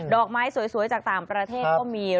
อกไม้สวยจากต่างประเทศก็มี